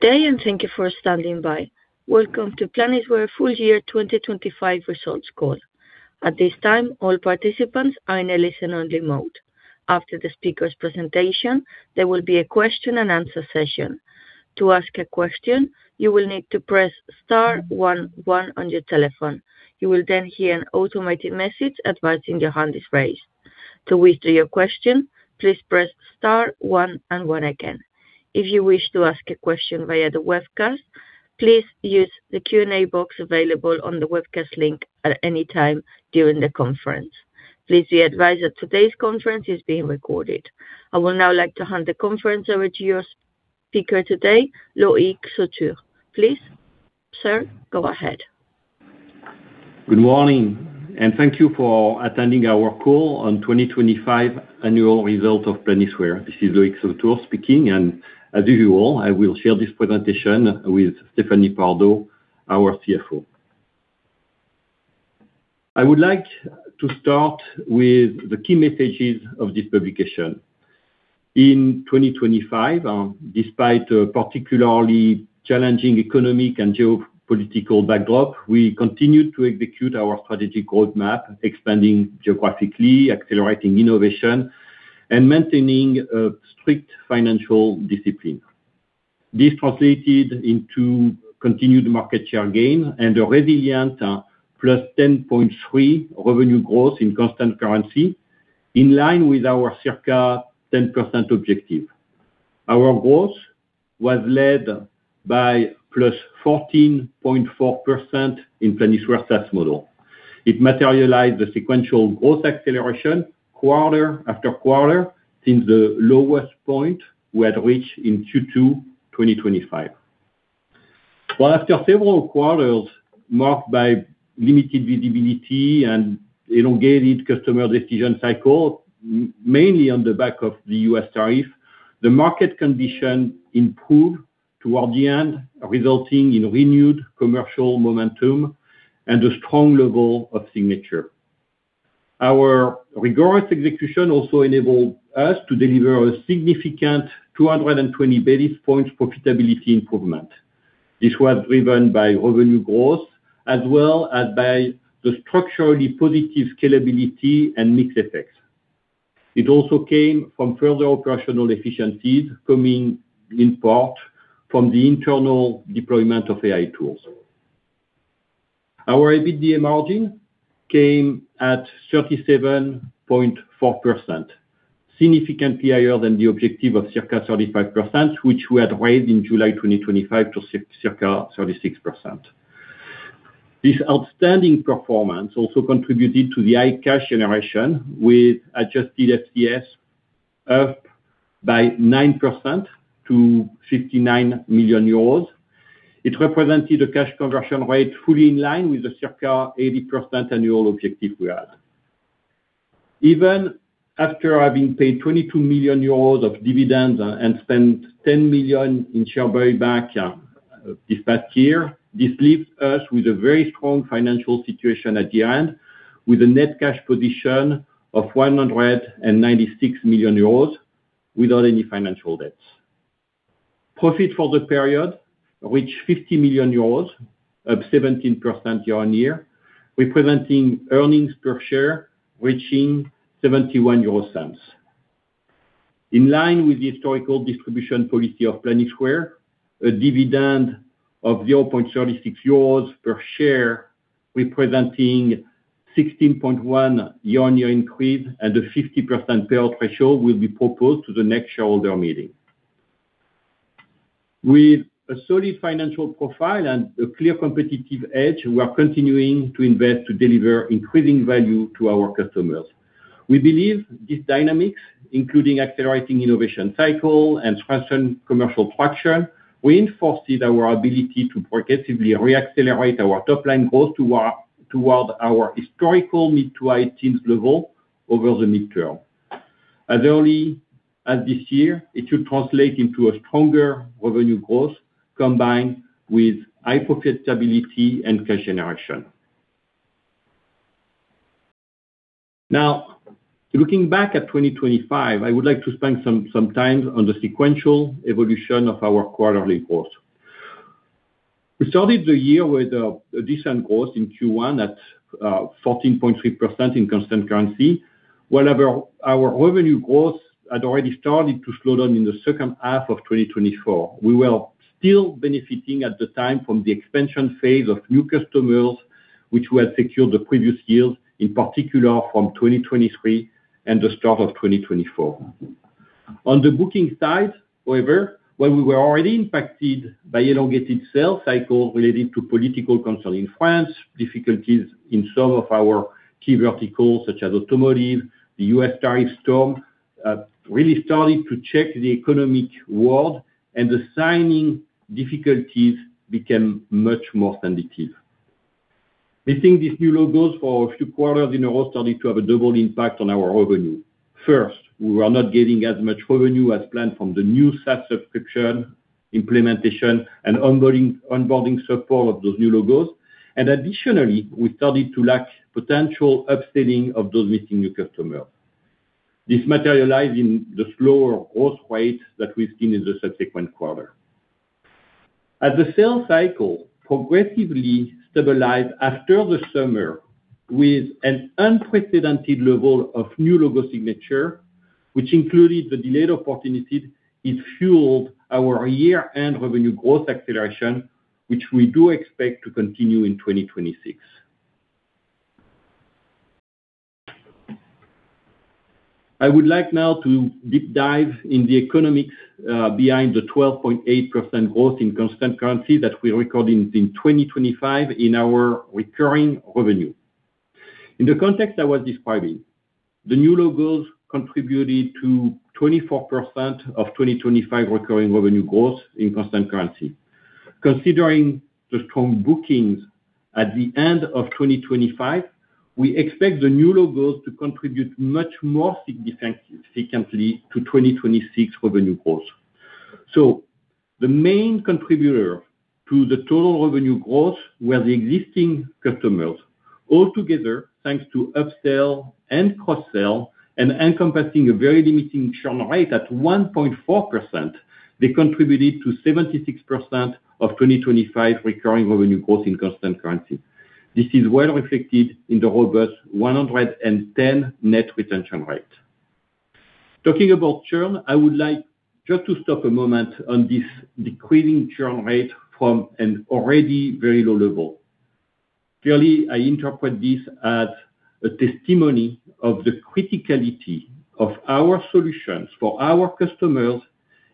Good day, thank you for standing by. Welcome to Planisware Full Year 2025 Results Call. At this time, all participants are in a listen-only mode. After the speakers' presentation, there will be a question and answer session. To ask a question, you will need to press star one one on your telephone. You will hear an automated message advising your hand is raised. To withdraw your question, please press star one and one again. If you wish to ask a question via the webcast, please use the Q&A box available on the webcast link at any time during the conference. Please be advised that today's conference is being recorded. I would now like to hand the conference over to your speaker today, Loïc Sautour. Please, sir, go ahead. Good morning, thank you for attending our call on 2025 annual result of Planisware. This is Loïc Sautour speaking, and as usual, I will share this presentation with Stéphanie Pardo, our CFO. I would like to start with the key messages of this publication. In 2025, despite a particularly challenging economic and geopolitical backdrop, we continued to execute our strategic roadmap, expanding geographically, accelerating innovation, and maintaining a strict financial discipline. This translated into continued market share gain and a resilient +10.3% revenue growth in constant currency, in line with our circa 10% objective. Our growth was led by +14.4% in Planisware SaaS model. It materialized the sequential growth acceleration quarter after quarter since the lowest point we had reached in Q2 2025. Well, after several quarters marked by limited visibility and elongated customer decision cycle, mainly on the back of the U.S. tariff, the market condition improved toward the end, resulting in renewed commercial momentum and a strong level of signature. Our rigorous execution also enabled us to deliver a significant 220 basis points profitability improvement. This was driven by revenue growth as well as by the structurally positive scalability and mix effects. It also came from further operational efficiencies, coming in part from the internal deployment of AI tools. Our EBITDA margin came at 37.4%, significantly higher than the objective of circa 35%, which we had raised in July 2025 to circa 36%. This outstanding performance also contributed to the high cash generation, with adjusted FCF up by 9% to 59 million euros. It represented a cash conversion rate fully in line with the circa 80% annual objective we had. Even after having paid 22 million euros of dividends and spent 10 million in share buyback this past year, this leaves us with a very strong financial situation at the end, with a net cash position of 196 million euros without any financial debts. Profit for the period, which 50 million euros of 17% year-on-year, representing earnings per share, reaching 0.71. In line with the historical distribution policy of Planisware, a dividend of 0.36 euros per share, representing 16.1% year-on-year increase at a 50% payout ratio, will be proposed to the next shareholder meeting. With a solid financial profile and a clear competitive edge, we are continuing to invest to deliver increasing value to our customers. We believe these dynamics, including accelerating innovation cycle and strengthen commercial traction, reinforced our ability to progressively reaccelerate our top line growth toward our historical mid-to-high teens level over the mid-term. As early as this year, it should translate into a stronger revenue growth, combined with high profitability and cash generation. Now, looking back at 2025, I would like to spend some time on the sequential evolution of our quarterly growth. We started the year with a decent growth in Q1 at 14.3% in constant currency. Whenever our revenue growth had already started to slow down in the second half of 2024, we were still benefiting at the time from the expansion phase of new customers, which we had secured the previous years, in particular from 2023 and the start of 2024. On the booking side, however, when we were already impacted by elongated sales cycle related to political concern in France, difficulties in some of our key verticals, such as automotive, the U.S. tariff storm, really started to check the economic world, and the signing difficulties became much more sensitive. We think these new logos for a few quarters in a row started to have a double impact on our revenue. First, we were not getting as much revenue as planned from the new SaaS subscription implementation and onboarding support of those new logos. Additionally, we started to lack potential upselling of those meeting new customers. This materialize in the slower growth rate that we've seen in the subsequent quarter. As the sales cycle progressively stabilized after the summer with an unprecedented level of new logo signature, which included the delayed opportunities, it fueled our year-end revenue growth acceleration, which we do expect to continue in 2026. I would like now to deep dive in the economics behind the 12.8% growth in constant currency that we recorded in 2025 in our recurring revenue. In the context I was describing, the new logos contributed to 24% of 2025 recurring revenue growth in constant currency. Considering the strong bookings at the end of 2025, we expect the new logos to contribute much more significantly to 2026 revenue growth. The main contributor to the total revenue growth were the existing customers. Thanks to upsell and cross-sell, and encompassing a very limiting churn rate at 1.4%, they contributed to 76% of 2025 recurring revenue growth in constant currency. This is well reflected in the robust 110% Net Retention Rate. Talking about churn, I would like just to stop a moment on this decreasing churn rate from an already very low level. Clearly, I interpret this as a testimony of the criticality of our solutions for our customers,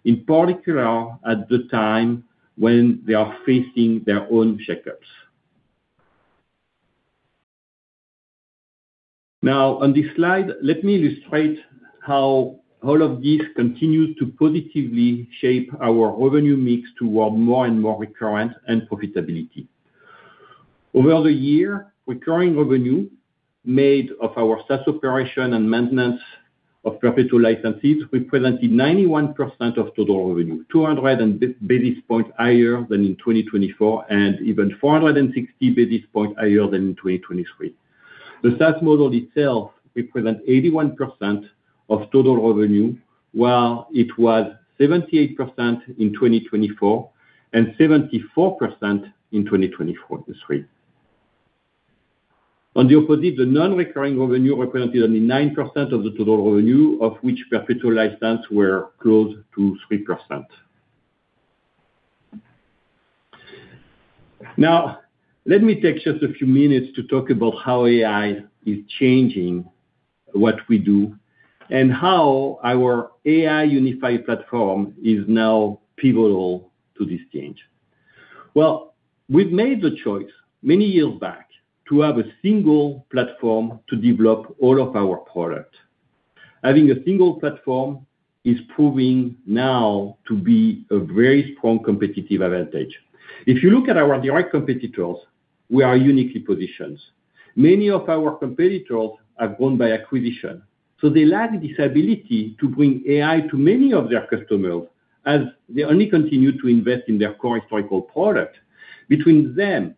in particular, at the time when they are facing their own shake-ups. On this slide, let me illustrate how all of this continues to positively shape our revenue mix toward more and more recurrent and profitability. Over the year, recurring revenue made of our SaaS operation and maintenance of perpetual licenses represented 91% of total revenue, 200 basis points higher than in 2024, and even 460 basis points higher than in 2023. The SaaS model itself represent 81% of total revenue, while it was 78% in 2024, and 74% in 2023. On the opposite, the non-recurring revenue represented only 9% of the total revenue, of which perpetual license were close to 3%. Let me take just a few minutes to talk about how AI is changing what we do, and how our AI unified platform is now pivotal to this change. We've made the choice many years back to have a single platform to develop all of our products. Having a single platform is proving now to be a very strong competitive advantage. If you look at our direct competitors, we are uniquely positioned. Many of our competitors have grown by acquisition, they lack this ability to bring AI to many of their customers, as they only continue to invest in their core historical product. Between them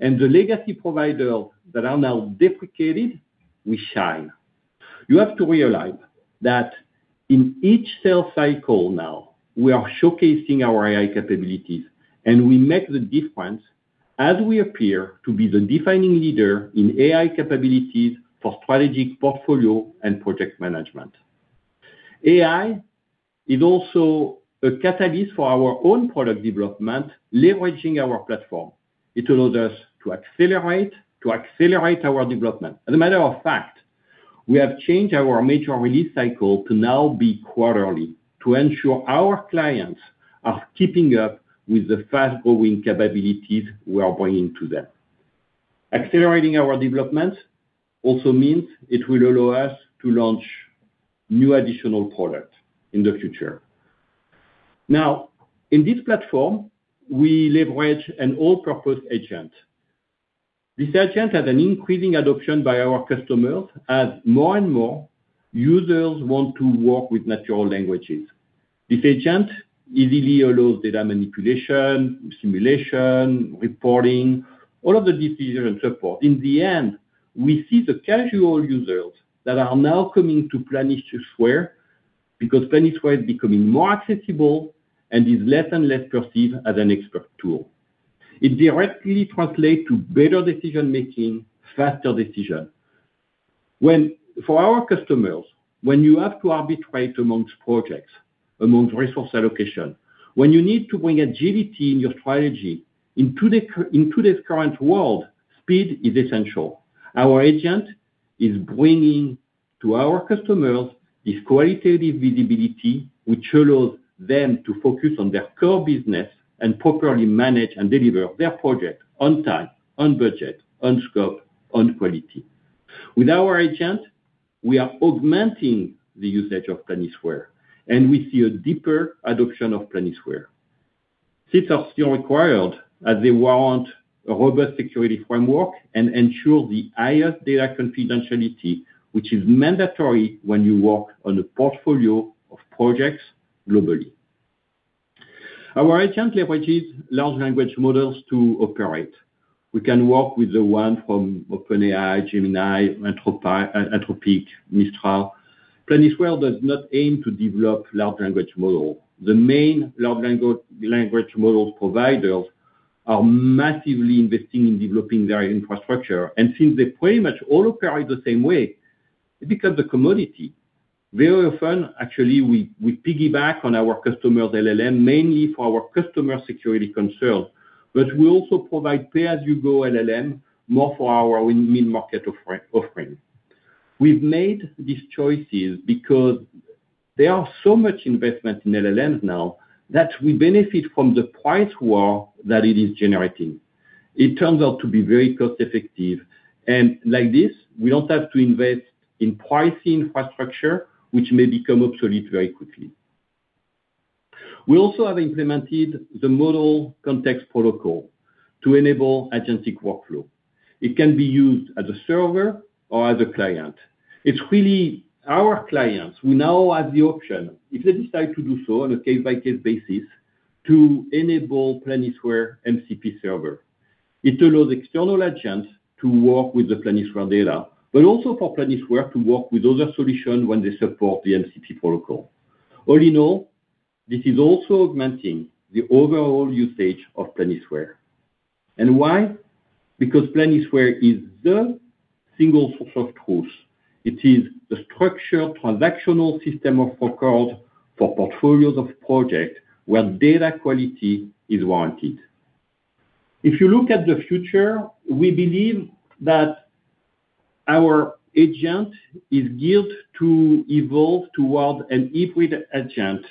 and the legacy providers that are now deprecated, we shine. You have to realize that in each sales cycle now, we are showcasing our AI capabilities, we make the difference as we appear to be the defining leader in AI capabilities for strategic portfolio and project management. AI is also a catalyst for our own product development, leveraging our platform. It allows us to accelerate our development. As a matter of fact, we have changed our major release cycle to now be quarterly, to ensure our clients are keeping up with the fast-growing capabilities we are bringing to them. Accelerating our development also means it will allow us to launch new additional products in the future. In this platform, we leverage an all-purpose agent. This agent has an increasing adoption by our customers as more and more users want to work with natural languages. This agent easily allows data manipulation, simulation, reporting, all of the decision and so forth. We see the casual users that are now coming to Planisware, because Planisware is becoming more accessible and is less and less perceived as an expert tool. It directly translate to better decision-making, faster decision. For our customers, when you have to arbitrate amongst projects, amongst resource allocation, when you need to bring agility in your strategy, in today's current world, speed is essential. Our agent is bringing to our customers this qualitative visibility, which allows them to focus on their core business and properly manage and deliver their project on time, on budget, on scope, on quality. With our agent, we are augmenting the usage of Planisware, and we see a deeper adoption of Planisware. Seats are still required as they warrant a robust security framework and ensure the highest data confidentiality, which is mandatory when you work on a portfolio of projects globally. Our agent leverages large language models to operate. We can work with the one from OpenAI, Gemini, Anthropic, Mistral. Planisware does not aim to develop large language model. The main large language models providers are massively investing in developing their infrastructure. Since they pretty much all operate the same way, it becomes a commodity. Very often, actually, we piggyback on our customer's LLM, mainly for our customer security concerns. We also provide pay-as-you-go LLM, more for our mid-market offering. We've made these choices because there are so much investment in LLMs now, that we benefit from the price war that it is generating. It turns out to be very cost effective. Like this, we don't have to invest in pricey infrastructure, which may become obsolete very quickly. We also have implemented the Model Context Protocol to enable agentic workflow. It can be used as a server or as a client. It's really our clients who now have the option, if they decide to do so on a case-by-case basis, to enable Planisware MCP server. It allows external agents to work with the Planisware data, but also for Planisware to work with other solutions when they support the MCP protocol. This is also augmenting the overall usage of Planisware. Why? Because Planisware is the single source of truth. It is the structured transactional system of record for portfolios of projects where data quality is warranted. If you look at the future, we believe that our agent is built to evolve towards an hybrid agent,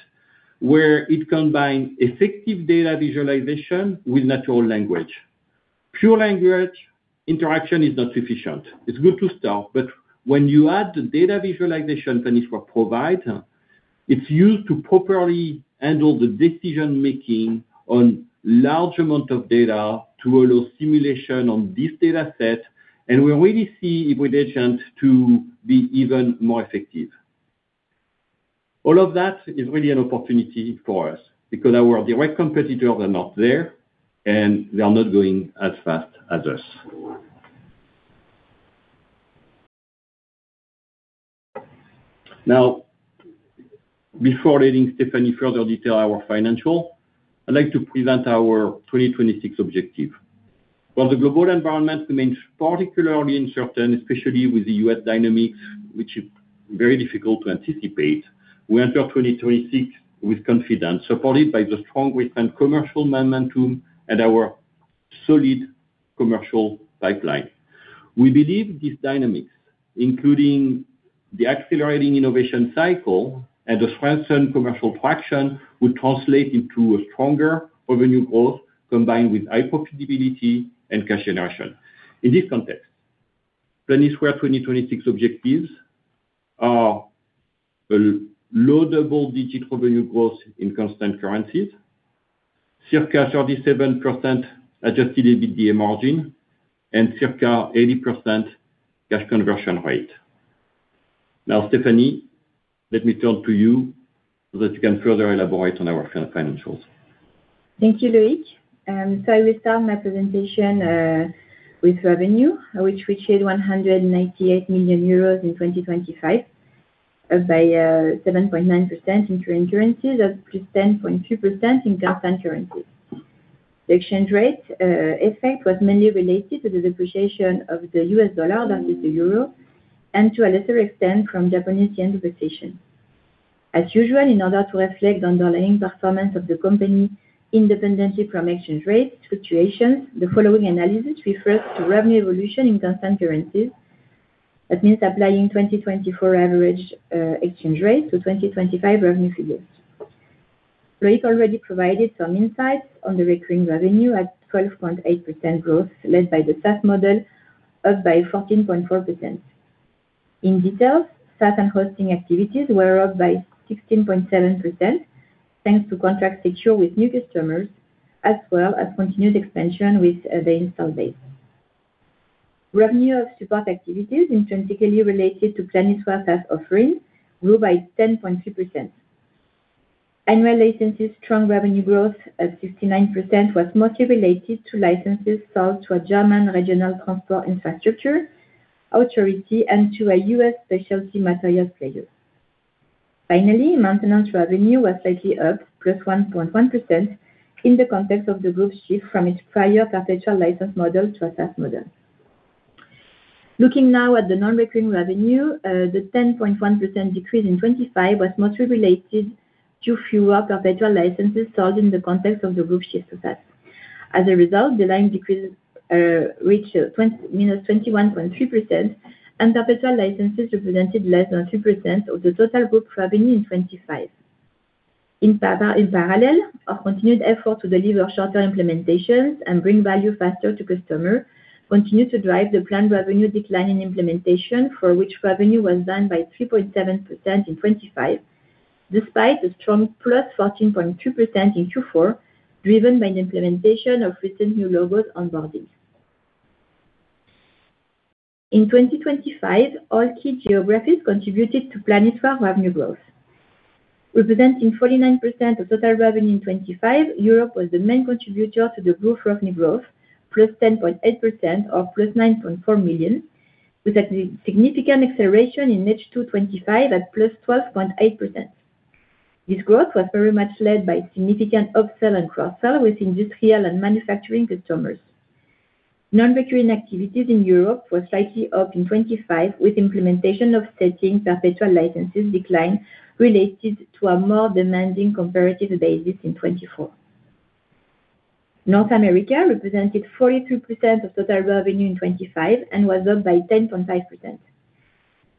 where it combines effective data visualization with natural language. Pure language interaction is not sufficient. When you add the data visualization Planisware provide, it's used to properly handle the decision-making on large amount of data to allow simulation on this data set. We already see hybrid agents to be even more effective. All of that is really an opportunity for us, because our direct competitors are not there. They are not going as fast as us. Before letting Stéphanie further detail our financial, I'd like to present our 2026 objective. While the global environment remains particularly uncertain, especially with the U.S. dynamics, which is very difficult to anticipate, we enter 2026 with confidence, supported by the strong recent commercial momentum and our solid commercial pipeline. We believe these dynamics, including the accelerating innovation cycle and the strengthened commercial traction, will translate into a stronger revenue growth, combined with high profitability and cash generation. In this context, Planisware 2026 objectives are a low double-digit revenue growth in constant currencies, circa 37% adjusted EBITDA margin, and circa 80% cash conversion rate. Stéphanie, let me turn to you, so that you can further elaborate on our financials. Thank you, Loïc. I will start my presentation with revenue, which reached 198 million euros in 2025, up by 7.9% in current currencies, or +10.2% in constant currencies. The exchange rate effect was mainly related to the depreciation of the U.S. dollar versus the euro, and to a lesser extent, from Japanese yen depreciation. As usual, in order to reflect on the laying performance of the company independently from exchange rate fluctuations, the following analysis refers to revenue evolution in constant currencies. That means applying 2024 average exchange rate to 2025 revenue figures. Loïc already provided some insights on the recurring revenue at 12.8% growth, led by the SaaS model, up by 14.4%. In details, SaaS and hosting activities were up by 16.7%, thanks to contracts secured with new customers, as well as continued expansion with the install base. Revenue of support activities intrinsically related to Planisware SaaS offerings grew by 10.2%. Annual licenses' strong revenue growth at 59% was mostly related to licenses sold to a German regional transport infrastructure authority and to a U.S. specialty materials player. Finally, maintenance revenue was slightly up, +1.1%, in the context of the group's shift from its prior perpetual license model to a SaaS model. Looking now at the non-recurring revenue, the 10.1% decrease in 2025 was mostly related to fewer perpetual licenses sold in the context of the group's shift to SaaS. The line decreases reached -21.3%, and perpetual licenses represented less than 2% of the total group revenue in 2025. Our continued effort to deliver shorter implementations and bring value faster to customers continued to drive the planned revenue decline in implementation, for which revenue was down by 3.7% in 2025, despite a strong +14.2% in Q4, driven by the implementation of recent new logos onboarding. In 2025, all key geographies contributed to Planisware revenue growth, representing 49% of total revenue in 2025. Europe was the main contributor to the group revenue growth, +10.8% or +9.4 million, with a significant acceleration in H2 2025 at +12.8%. This growth was very much led by significant upsell and cross-sell with industrial and manufacturing customers. Non-recurring activities in Europe were slightly up in 2025, with implementation of setting perpetual licenses decline related to a more demanding comparative basis in 2024. North America represented 42% of total revenue in 2025 and was up by 10.5%.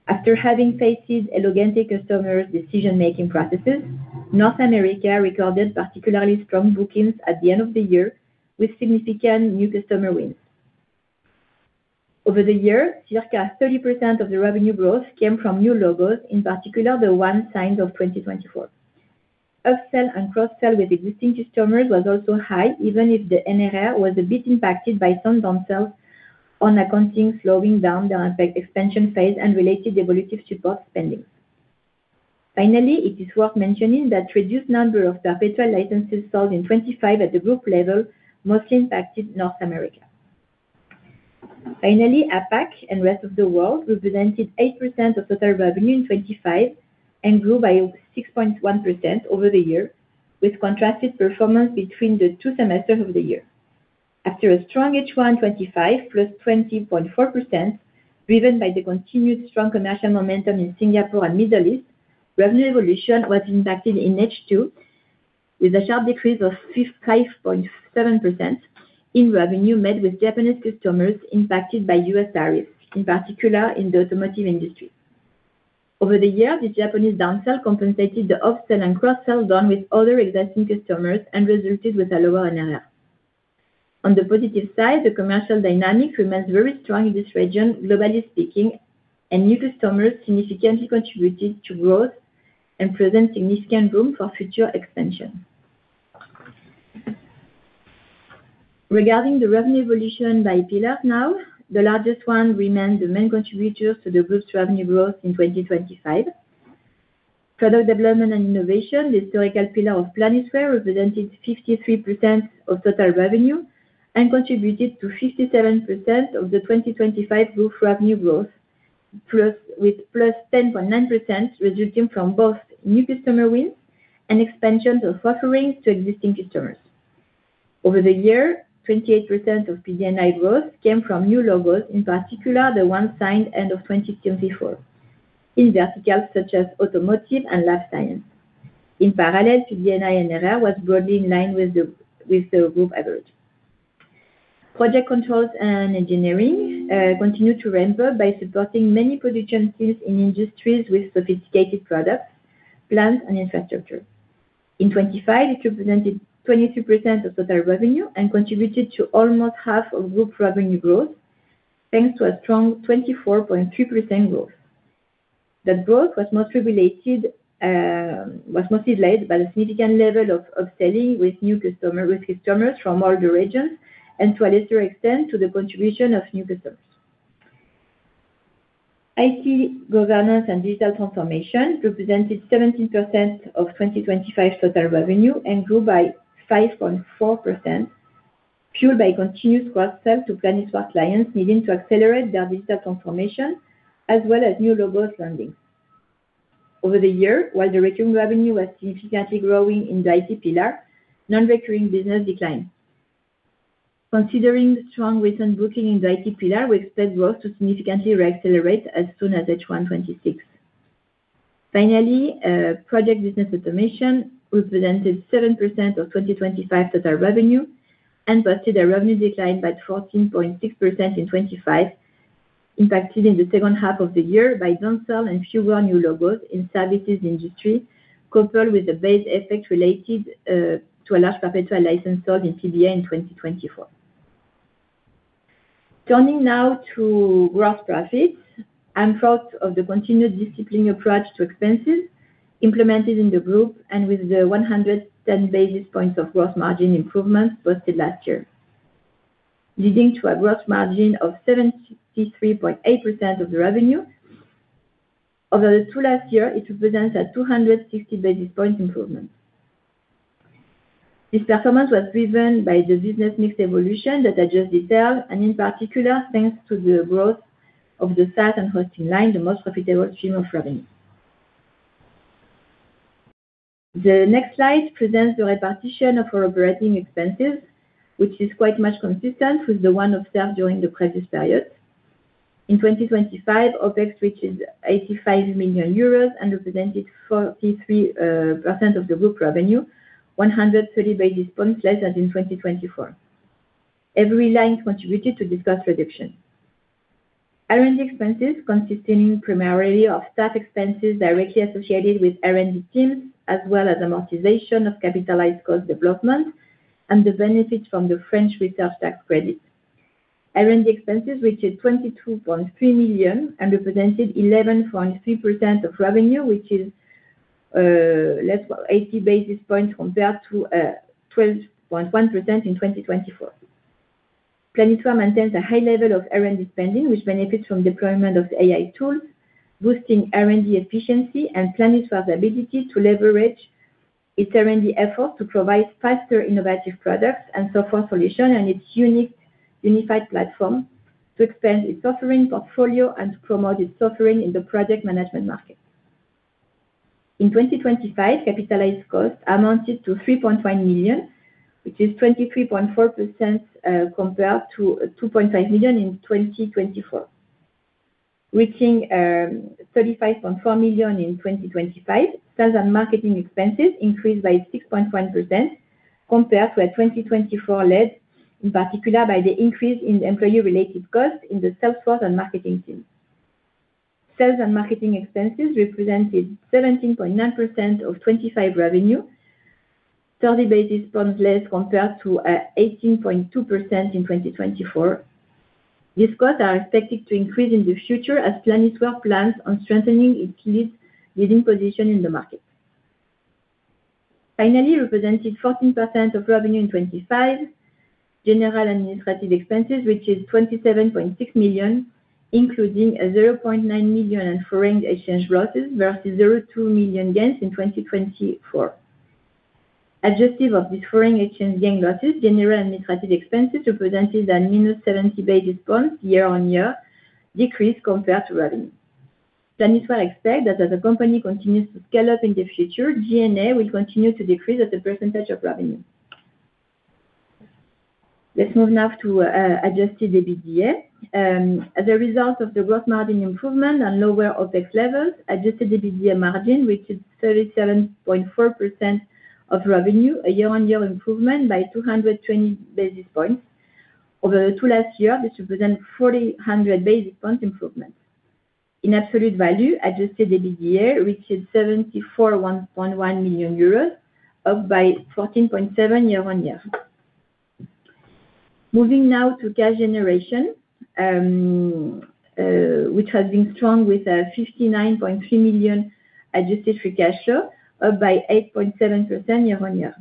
After having faced elegant customer decision-making processes, North America recorded particularly strong bookings at the end of the year, with significant new customer wins. Over the year, circa 30% of the revenue growth came from new logos, in particular, the one signed of 2024. Upsell and cross-sell with existing customers was also high, even if the NRR was a bit impacted by some downsells on accounting, slowing down the expansion phase and related evolutive support spending. Finally, it is worth mentioning that reduced number of perpetual licenses sold in 2025 at the group level, mostly impacted North America. Finally, APAC and rest of the world represented 8% of total revenue in 2025 and grew by 6.1% over the year, with contrasted performance between the two semesters of the year. After a strong H1 2025, +20.4%, driven by the continued strong commercial momentum in Singapore and Middle East, revenue evolution was impacted in H2 with a sharp decrease of 55.7% in revenue made with Japanese customers impacted by U.S. tariffs, in particular in the automotive industry. Over the year, the Japanese downsell compensated the upsell and cross-sell done with other existing customers and resulted with a lower NRR. On the positive side, the commercial dynamic remains very strong in this region, globally speaking, and new customers significantly contributed to growth and present significant room for future expansion. Regarding the revenue evolution by pillar now, the largest one remained the main contributor to the group's revenue growth in 2025. Product development and innovation, the historical pillar of Planisware, represented 53% of total revenue and contributed to 57% of the 2025 group revenue growth, with +10.9%, resulting from both new customer wins and expansions of offerings to existing customers. Over the year, 28% of PD&I growth came from new logos, in particular, the one signed end of 2024, in verticals such as automotive and life science. In parallel, PD&I NRR was broadly in line with the group average. Project controls and engineering continued to ramp up by supporting many production fees in industries with sophisticated products, plants, and infrastructure. In 2025, it represented 22% of total revenue and contributed to almost half of group revenue growth, thanks to a strong 24.3% growth. The growth was mostly related, was mostly led by a significant level of upselling with customers from all the regions and to a lesser extent, to the contribution of new business. IT governance and digital transformation represented 17% of 2025 total revenue and grew by 5.4%, fueled by continuous cross-sell to Planisware clients needing to accelerate their digital transformation as well as new logo landings. Over the year, while the recurring revenue was significantly growing in the IT pillar, non-recurring business declined. Considering strong recent booking in the IT pillar, we expect growth to significantly re-accelerate as soon as H1 2026. Finally, Project Business Automation represented 7% of 2025 total revenue and posted a revenue decline by 14.6% in 2025, impacted in the second half of the year by downsell and fewer new logos in services industry, coupled with the base effect related to a large perpetual license sold in PBA in 2024. Turning now to gross profits and thoughts of the continued disciplined approach to expenses implemented in the group and with the 110 basis points of gross margin improvement posted last year, leading to a gross margin of 73.8% of the revenue. Over the two last year, it represents a 260 basis point improvement. This performance was driven by the business mix evolution that I just detailed. In particular, thanks to the growth of the SaaS and hosting line, the most profitable stream of revenue. The next slide presents the repartition of our operating expenses, which is quite much consistent with the one observed during the previous period. In 2025, OpEx, which is 85 million euros and represented 43% of the group revenue, 130 basis points less as in 2024. Every line contributed to this cost reduction. R&D expenses, consisting primarily of staff expenses directly associated with R&D teams, as well as amortization of capitalized cost development and the benefit from the French Research Tax Credit. R&D expenses, which is 22.3 million and represented 11.3% of revenue which is less-- 80 basis points compared to 12.1% in 2024. Planisware maintains a high level of R&D spending, which benefits from deployment of AI tools, boosting R&D efficiency and Planisware's ability to leverage its R&D efforts to provide faster, innovative products and software solution on its unique unified platform to expand its offering portfolio and to promote its offering in the project management market. In 2025, capitalized costs amounted to 3.1 million, which is 23.4% compared to 2.5 million in 2024, reaching 35.4 million in 2025. Sales and marketing expenses increased by 6.1% compared to a 2024 lead, in particular by the increase in employee-related costs in the salesforce and marketing team. Sales and marketing expenses represented 17.9% of 2025 revenue, 30 basis points less compared to 18.2% in 2024. These costs are expected to increase in the future as Planisware plans on strengthening its lead, leading position in the market. Finally, represented 14% of revenue in 2025, general and administrative expenses, which is 27.6 million, including 0.9 million in foreign exchange losses versus 0.2 million gains in 2024. Adjustive of the foreign exchange gain losses, general administrative expenses represented a -70 basis points year-on-year decrease compared to revenue. Planisware expect that as the company continues to scale up in the future, G&A will continue to decrease as a percentage of revenue. Let's move now to adjusted EBITDA. As a result of the growth margin improvement and lower OpEx levels, adjusted EBITDA margin, which is 37.4% of revenue, a year-on-year improvement by 220 basis points. Over the two last year, this represent 4,000 basis points improvement. In absolute value, adjusted EBITDA, which is 74.1 million euros, up by 14.7% year-on-year. Moving now to cash generation, which has been strong with a 59.3 million adjusted free cash flow, up by 8.7% year-on-year.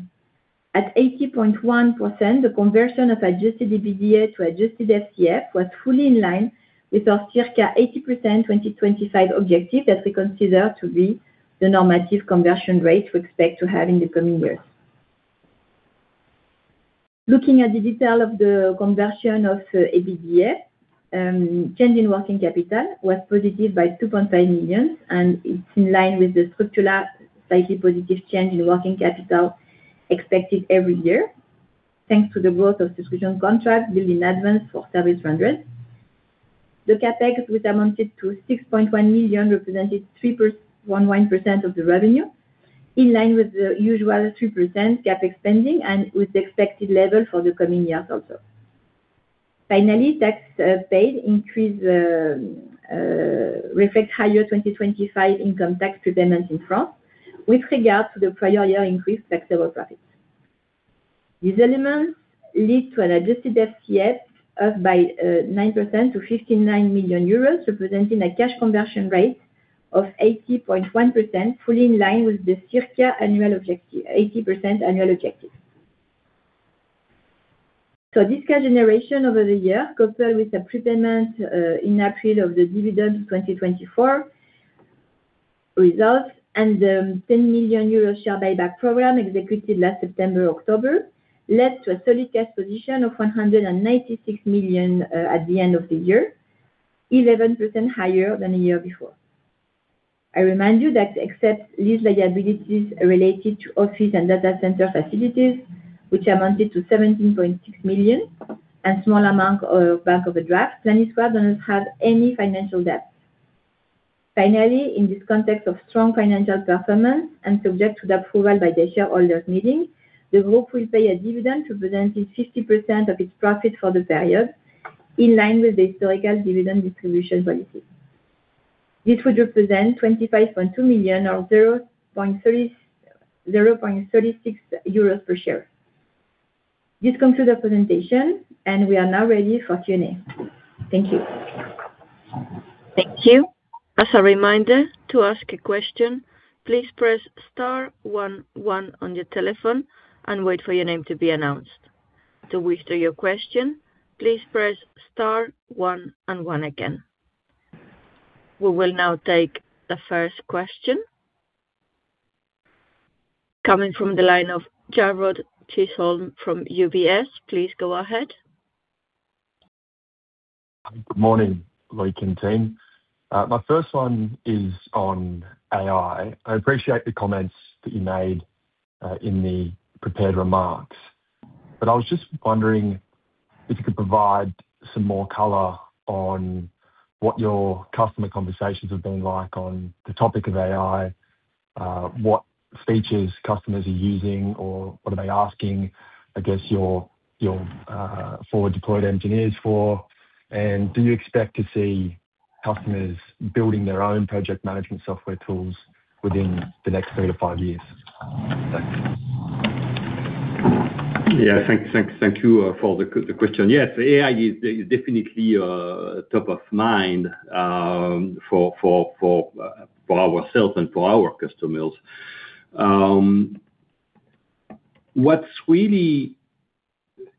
At 80.1%, the conversion of adjusted EBITDA to adjusted FCF was fully in line with our circa 80% 2025 objective that we consider to be the normative conversion rate we expect to have in the coming years. Looking at the detail of the conversion of EBITDA, change in working capital was positive by 2.5 million, and it's in line with the structural, slightly positive change in working capital expected every year, thanks to the growth of subscription contracts billed in advance for service rendered. The CapEx, which amounted to 6.1 million, represented 1.1% of the revenue, in line with the usual 3% CapEx spending and with the expected level for the coming years also. Finally, tax paid increase reflect higher 2025 income tax payments in France with regard to the prior year increased taxable profits. These elements lead to an adjusted FCF by 9% to 59 million euros, representing a cash conversion rate of 80.1%, fully in line with the circa 80% annual objective. This cash generation over the year, coupled with the prepayment in April of the dividend 2024 results and the 10 million euro share buyback program executed last September, October, led to a solid cash position of 196 million at the end of the year, 11% higher than the year before. I remind you that except lease liabilities related to office and data center facilities, which amounted to 17.6 million and small amount of bank overdraft, Planisware does not have any financial debt. Finally, in this context of strong financial performance and subject to the approval by the shareholders' meeting, the group will pay a dividend representing 50% of its profit for the period, in line with the historical dividend distribution policy. This would represent 25.2 million, or 0.30, 0.36 euros per share. This concludes the presentation, and we are now ready for Q&A. Thank you. Thank you. As a reminder, to ask a question, please press star one on your telephone and wait for your name to be announced. To withdraw your question, please press star one and one again. We will now take the first question. Coming from the line of Jarrod Chisholm from UBS. Please go ahead. Good morning, Loïc and team. My first one is on AI. I appreciate the comments that you made in the prepared remarks, but I was just wondering if you could provide some more color on what your customer conversations have been like on the topic of AI, what features customers are using, or what are they asking, I guess, your forward-deployed engineers for? Do you expect to see customers building their own project management software tools within the next three-five years? Thanks. Thank you for the question. Yes, AI is definitely top of mind for ourselves and for our customers. What's really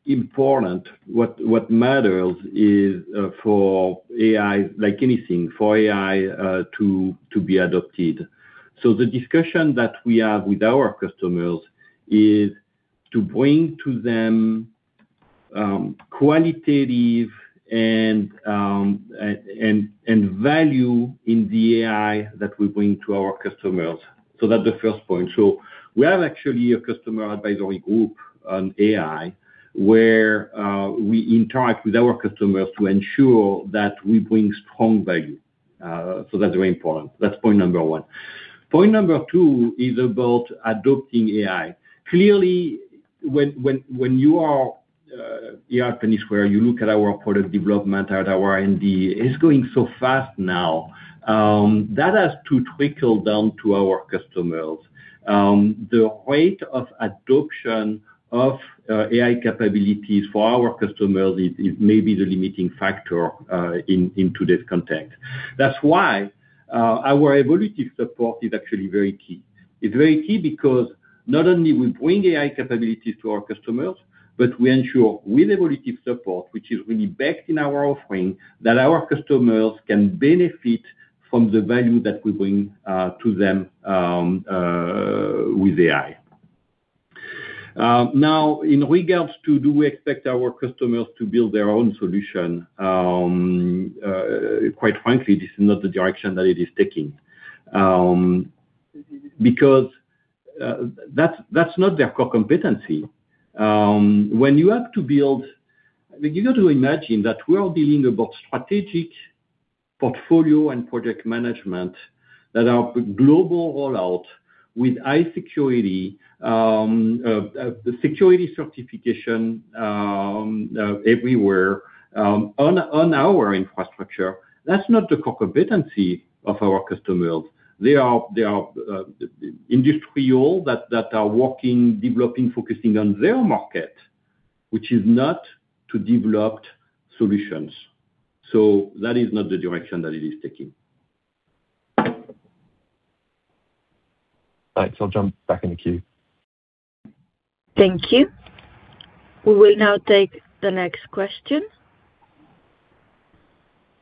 important, what matters is for AI, like anything, for AI, to be adopted. The discussion that we have with our customers is to bring to them qualitative and value in the AI that we bring to our customers. That's the first point. We have actually a customer advisory group on AI, where we interact with our customers to ensure that we bring strong value. That's very important. That's point number one. Point number two is about adopting AI. Clearly, when you are finished, where you look at our product development, at our R&D, it's going so fast now, that has to trickle down to our customers. The rate of adoption of AI capabilities for our customers is maybe the limiting factor in today's context. That's why our evolutive support is actually very key. It's very key because not only we bring AI capabilities to our customers, but we ensure with evolutive support, which is really backed in our offering, that our customers can benefit from the value that we bring to them with AI. Now, in regards to do we expect our customers to build their own solution? Quite frankly, this is not the direction that it is taking. Because that's not their core competency. When you have to imagine that we are dealing about strategic portfolio and project management, that are global rollout with high security certification, everywhere on our infrastructure. That's not the core competency of our customers. They are industrial that are working, developing, focusing on their market, which is not to developed solutions. That is not the direction that it is taking. Thanks. I'll jump back in the queue. Thank you. We will now take the next question.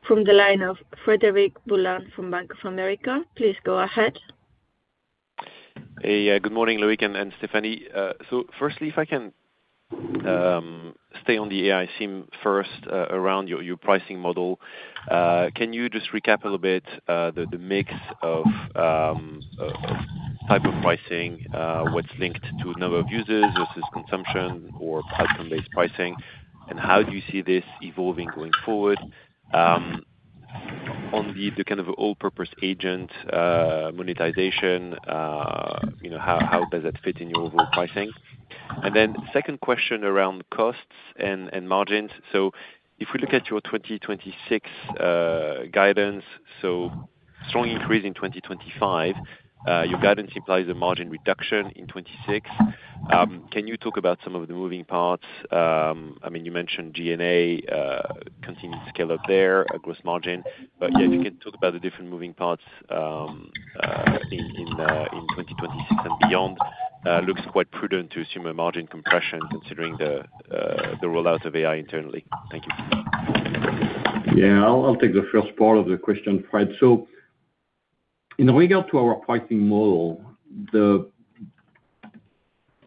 From the line of Frederic Boulan from Bank of America. Please go ahead. Hey, yeah, good morning, Loïc and Stéphanie. Firstly, if I can stay on the AI SIM first, around your pricing model. Can you just recap a little bit the mix of type of pricing, what's linked to number of users versus consumption or platform-based pricing? How do you see this evolving going forward on the kind of all-purpose agent monetization? You know, how does that fit in your overall pricing? Second question around costs and margins. If we look at your 2026 guidance, strong increase in 2025, your guidance implies a margin reduction in 2026. Can you talk about some of the moving parts? I mean, you mentioned G&A, continued scale up there, a gross margin. Yeah, if you can talk about the different moving parts, in 2026 and beyond. Looks quite prudent to assume a margin compression considering the rollout of AI internally. Thank you. Yeah, I'll take the first part of the question, Fred. In regard to our pricing model,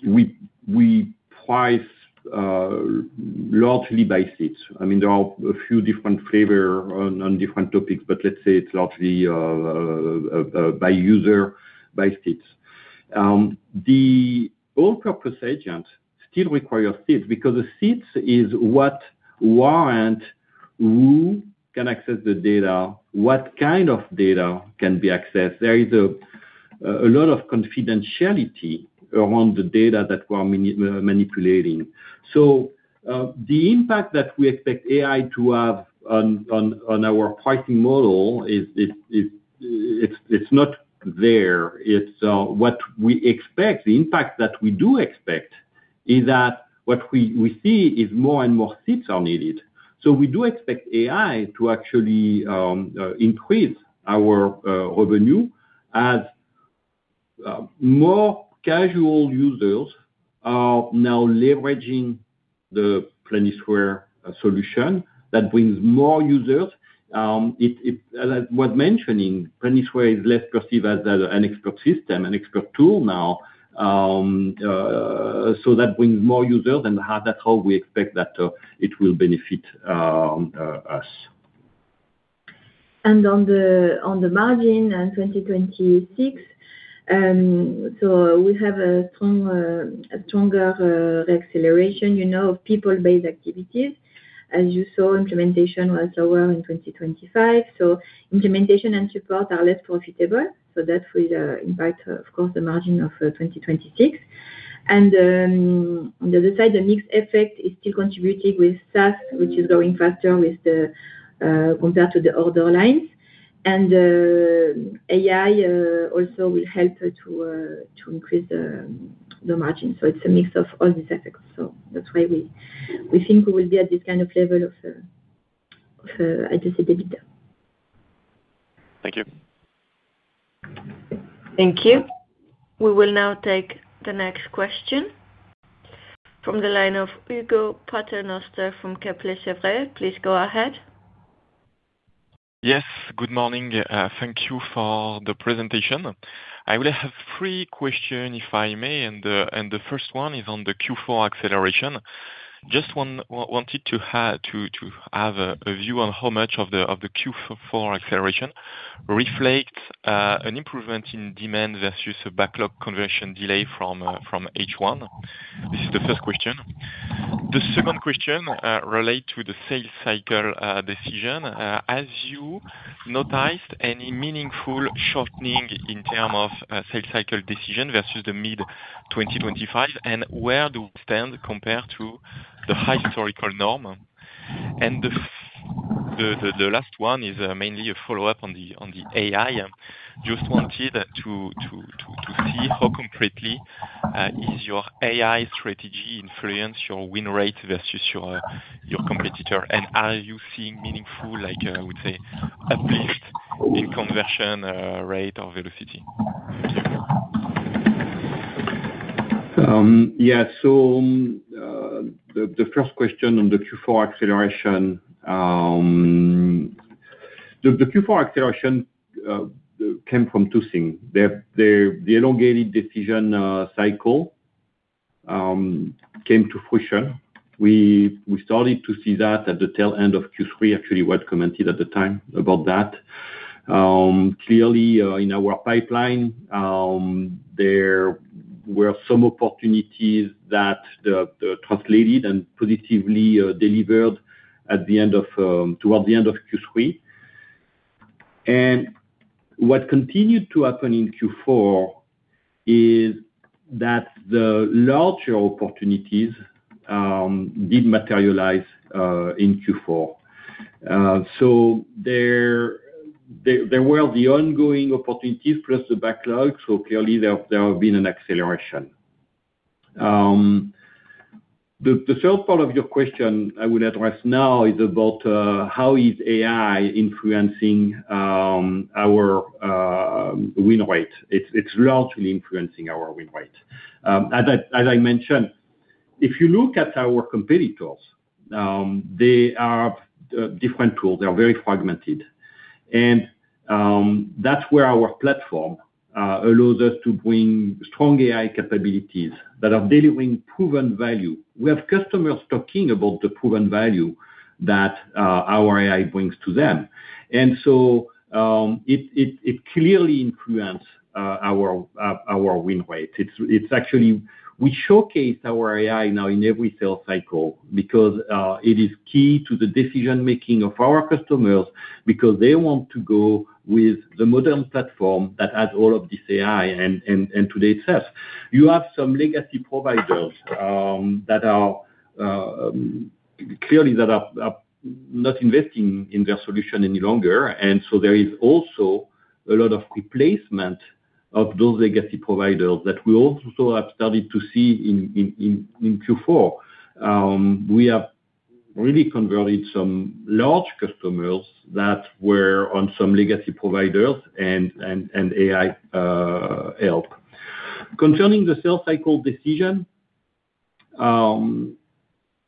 we price largely by seats. I mean, there are a few different flavor on different topics, but let's say it's largely by user, by seats. The all-purpose agent still require seats because the seats is what warrant who can access the data, what kind of data can be accessed. There is a lot of confidentiality around the data that we're manipulating. The impact that we expect AI to have on our pricing model it's not there. It's what we expect, the impact that we do expect is that what we see is more and more seats are needed. We do expect AI to actually increase our revenue as more casual users are now leveraging the Planisware solution. That brings more users. As I was mentioning, Planisware is less perceived as an expert system, an expert tool now. That brings more users, and that's how we expect that it will benefit us. On the, on the margin and 2026, we have a strong, a stronger, acceleration, you know, people-based activities. As you saw, implementation was lower in 2025, implementation and support are less profitable. That will impact, of course, the margin of 2026. On the other side, the mix effect is still contributing with SaaS, which is growing faster with the compared to the other lines. AI also will help to increase the margin. It's a mix of all these effects. That's why we think we will be at this kind of level of margin of visibility. Thank you. Thank you. We will now take the next question from the line of Hugo Paternoster from Kepler Cheuvreux. Please go ahead. Yes. Good morning. Thank you for the presentation. I would have three question, if I may. The first one is on the Q4 acceleration. Just wanted to have a view on how much of the Q4 acceleration reflects an improvement in demand versus a backlog conversion delay from H1. This is the first question. The second question relate to the sales cycle decision. Have you noticed any meaningful shortening in term of sales cycle decision versus the mid-2025? Where do we stand compared to the high historical norm? The last one is mainly a follow-up on the AI. Just wanted to see how concretely, is your AI strategy influence your win rate versus your competitor, and are you seeing meaningful, like, I would say, at least in conversion, rate or velocity? The first question on the Q4 acceleration. The Q4 acceleration came from two things. The elongated decision cycle came to fruition. We started to see that at the tail end of Q3, actually, what commented at the time about that. Clearly, in our pipeline, there were some opportunities that translated and positively delivered at the end of towards the end of Q3. What continued to happen in Q4 is that the larger opportunities did materialize in Q4. There were the ongoing opportunities plus the backlog, clearly there have been an acceleration. The third part of your question I would address now is about how is AI influencing our win rate? It's largely influencing our win rate. As I mentioned, if you look at our competitors, they are different tools. They are very fragmented. That's where our platform allows us to bring strong AI capabilities that are delivering proven value. We have customers talking about the proven value that our AI brings to them. It clearly influence our win rate. It's actually we showcase our AI now in every sales cycle because it is key to the decision-making of our customers, because they want to go with the modern platform that has all of this AI and today's SaaS. You have some legacy providers that are clearly that are not investing in their solution any longer. There is also a lot of replacement of those legacy providers that we also have started to see in Q4. We have really converted some large customers that were on some legacy providers and AI help. Concerning the sales cycle decision,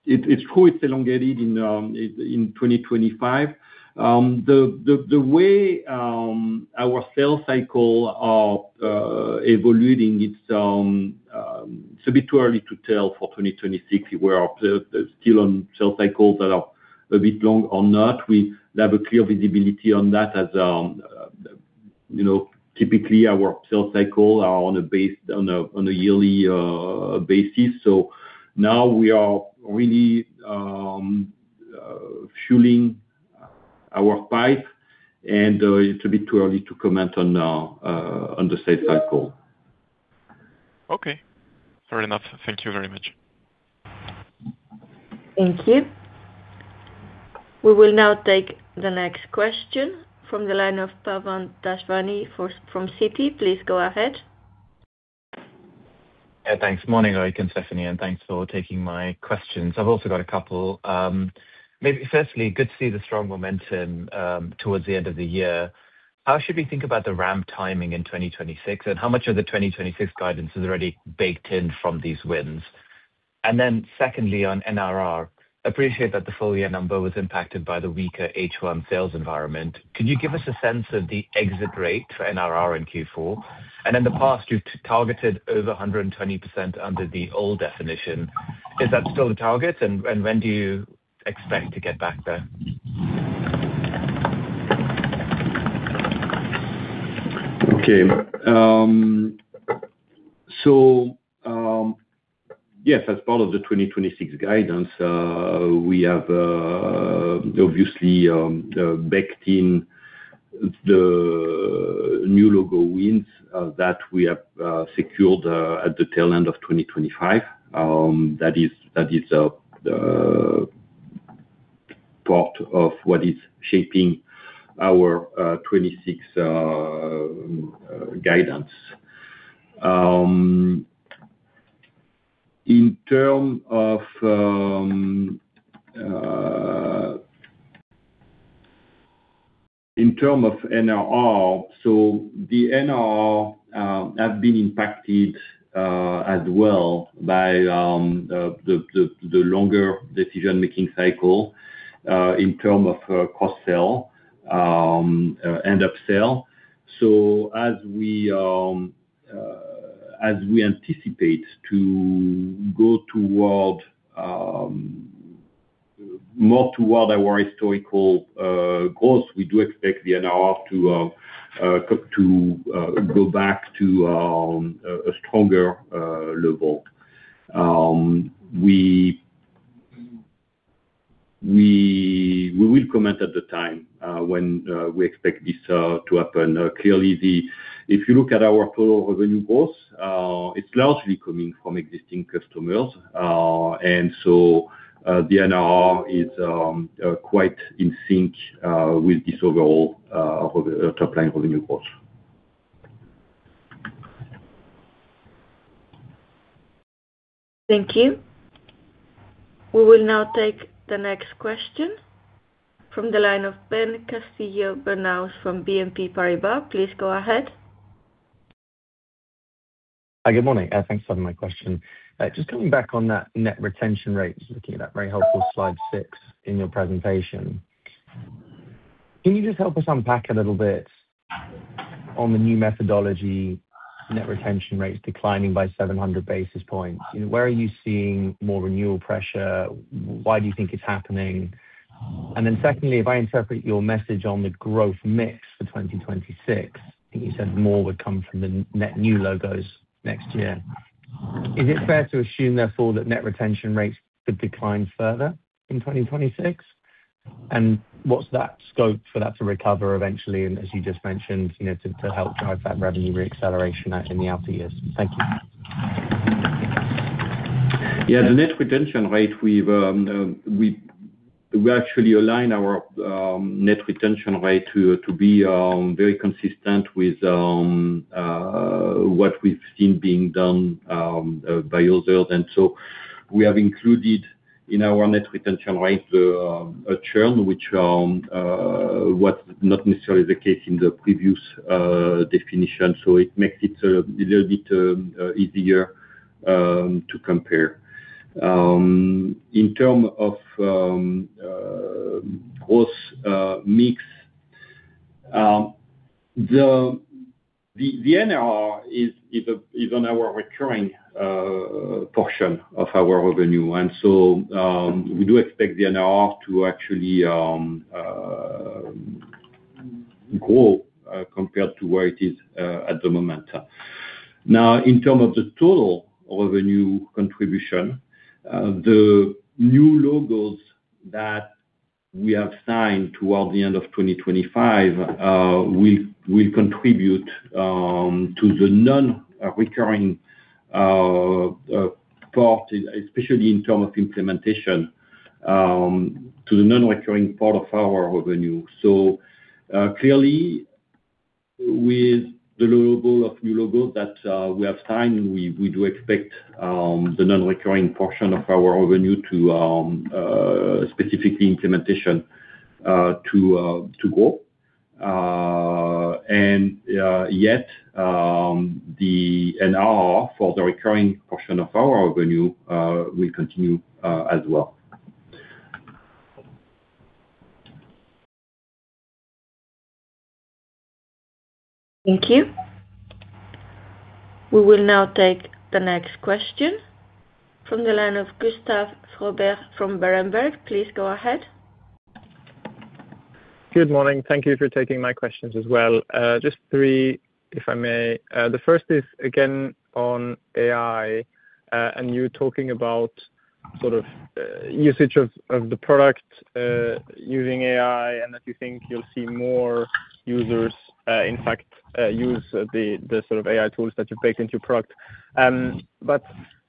it's true, it's elongated in 2025. The way our sales cycle are evolving, it's a bit too early to tell for 2026, we are still on sales cycles that are a bit long or not. We have a clear visibility on that as, you know, typically our sales cycle are on a yearly basis, so now we are really fueling our pipe, and it's a bit too early to comment on the sales cycle. Okay, fair enough. Thank you very much. Thank you. We will now take the next question from the line of Pavan Daswani from Citi. Please go ahead. Thanks. Morning, Loïc and Stéphanie, thanks for taking my questions. I've also got a couple. Maybe firstly, good to see the strong momentum towards the end of the year. How should we think about the ramp timing in 2026, and how much of the 2026 guidance is already baked in from these wins? Secondly, on NRR, appreciate that the full year number was impacted by the weaker H1 sales environment. Can you give us a sense of the exit rate for NRR in Q4? In the past, you've targeted over 120% under the old definition. Is that still the target? When do you expect to get back there? Okay. Yes, as part of the 2026 guidance, we have obviously baked in the new logo wins that we have secured at the tail end of 2025. That is part of what is shaping our 2026 guidance. In terms of NRR, the NRR have been impacted as well by the longer decision making cycle in terms of cross-sell and up-sell. As we anticipate to go more toward our historical goals, we do expect the NRR to go back to a stronger level. We will comment at the time when we expect this to happen. Clearly, if you look at our total revenue growth, it's largely coming from existing customers, and so, the NRR is quite in sync with this overall top line revenue growth. Thank you. We will now take the next question from the line of Ben Castillo-Bernaus from BNP Paribas. Please go ahead. Hi, good morning, thanks for taking my question. Just coming back on that Net Retention Rate, just looking at that very helpful slide 6 in your presentation. Can you just help us unpack a little bit on the new methodology, Net Retention Rates declining by 700 basis points? Where are you seeing more renewal pressure? Why do you think it's happening? Secondly, if I interpret your message on the growth mix for 2026, I think you said more would come from the net new logos next year. Is it fair to assume, therefore, that Net Retention Rates could decline further in 2026? What's that scope for that to recover eventually, and as you just mentioned, you know, to help drive that revenue re-acceleration out in the outer years? Thank you. Yeah, the Net Retention Rate, we've, we actually align our Net Retention Rate to be very consistent with what we've seen being done by others. We have included in our Net Retention Rate a churn, which was not necessarily the case in the previous definition, so it makes it a little bit easier to compare. In term of growth mix, the NRR is on our recurring portion of our revenue, and so we do expect the NRR to actually grow compared to where it is at the moment. Now, in term of the total revenue contribution, the new logos that we have signed toward the end of 2025 will contribute to the non-recurring part, especially in term of implementation, to the non-recurring part of our revenue. Clearly, with the logo of new logos that we have signed, and we do expect the non-recurring portion of our revenue to specifically implementation to grow. Yet, the NRR for the recurring portion of our revenue will continue as well. Thank you. We will now take the next question from the line of Gustav Froberg from Berenberg. Please go ahead. Good morning. Thank you for taking my questions as well. Just three, if I may. The first is, again, on AI, and you talking about sort of, usage of the product, using AI, and that you think you'll see more users, in fact, use the sort of AI tools that you've baked into product.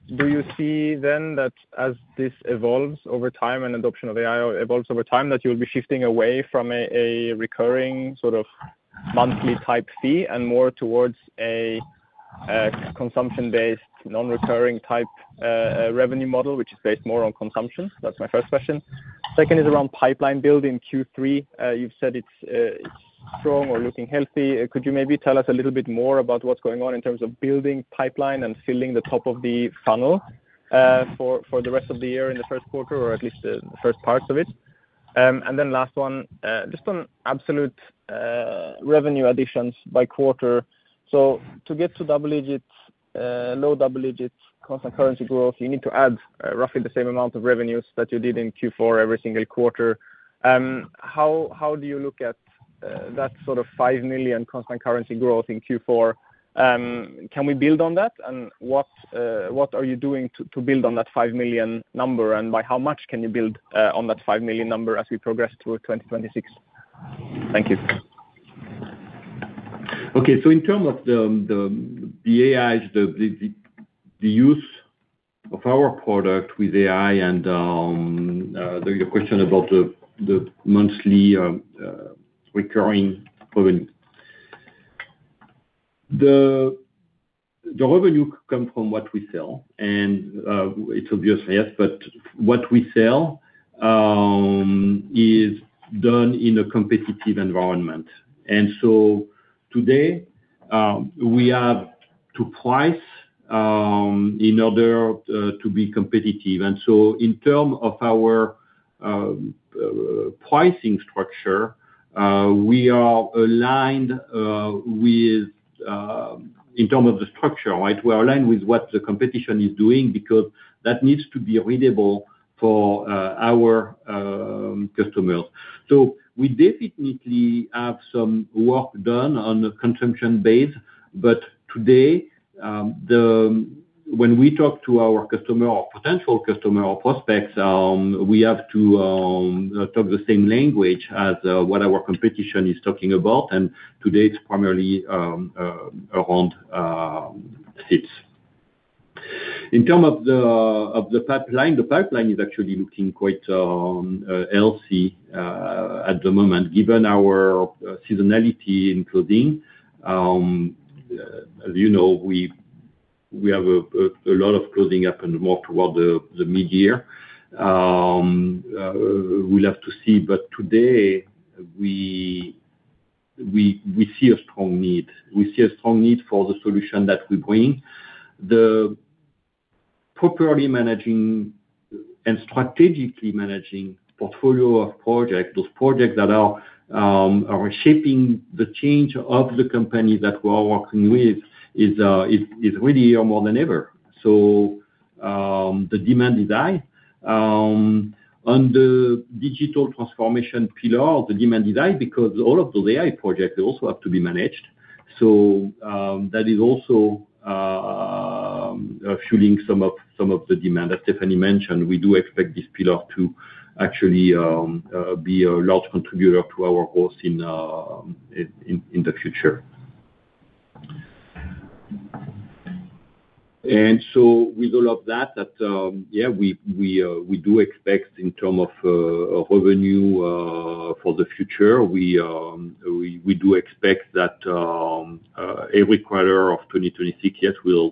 Do you see then that as this evolves over time and adoption of AI evolves over time, that you'll be shifting away from a recurring sort of monthly type fee and more towards a, consumption-based, non-recurring type, revenue model, which is based more on consumption? That's my first question. Second is around pipeline build in Q3. You've said it's strong or looking healthy. Could you maybe tell us a little bit more about what's going on in terms of building pipeline and filling the top of the funnel for the rest of the year in the first quarter, or at least the first parts of it? Last one, just on absolute revenue additions by quarter. To get to double digits, low double digits constant currency growth, you need to add roughly the same amount of revenues that you did in Q4 every single quarter. How do you look at that sort of 5 million constant currency growth in Q4? Can we build on that? What are you doing to build on that 5 million number? By how much can you build, on that 5 million number as we progress through 2026? Thank you. Okay. In term of the AI, the use of our product with AI and, the question about the monthly recurring revenue. The revenue comes from what we sell, and, it's obvious, yes, but what we sell, is done in a competitive environment. Today, we have to price, in order to be competitive. In term of our pricing structure, we are aligned, with, in term of the structure, right? We are aligned with what the competition is doing, because that needs to be available for our customers. We definitely have some work done on the consumption base, but today, when we talk to our customer or potential customer or prospects, we have to talk the same language as what our competition is talking about, and today it's primarily around hits. In term of the pipeline, the pipeline is actually looking quite healthy at the moment, given our seasonality in clothing. As you know, we have a lot of clothing up and more throughout the midyear. We'll have to see, but today, we see a strong need. We see a strong need for the solution that we bring. The properly managing and strategically managing portfolio of projects, those projects that are shaping the change of the company that we are working with is really more than ever. The demand is high. On the digital transformation pillar, the demand is high because all of the AI projects also have to be managed. That is also fueling some of the demand. As Stéphanie mentioned, we do expect this pillar to actually be a large contributor to our growth in the future. With all of that, we do expect in term of revenue for the future, we do expect that every quarter of 2026, yes, we'll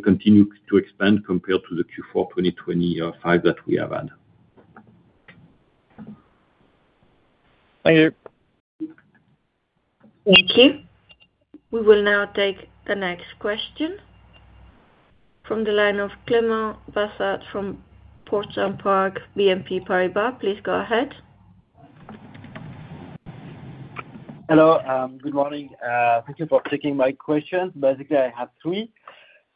continue to expand compared to the Q4 2025 that we have had. Thank you. Thank you. We will now take the next question from the line of Clément Bassat from Portzamparc, BNP Paribas. Please go ahead. Hello, good morning. Thank you for taking my questions. Basically, I have three.